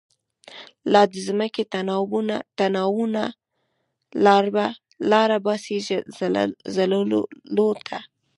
لا دځمکی تناوونه، لاره باسی زلزلوته